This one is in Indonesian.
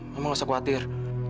mama gak usah khawatir